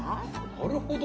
なるほど。